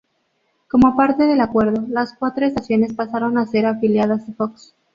Como parte del acuerdo, las cuatro estaciones pasaron a ser afiliadas de Fox.